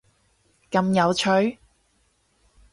咁有趣？！